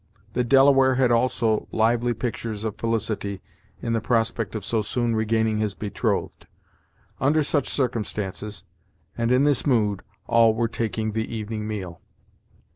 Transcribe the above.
The Delaware had also lively pictures of felicity in the prospect of so soon regaining his betrothed. Under such circumstances, and in this mood, all were taking the evening meal.